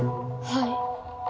はい。